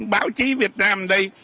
báo chí việt nam đây